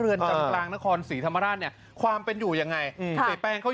เรือนจำกลางนครศรีธรรมราชเนี้ยความเป็นอยู่ยังไงครับ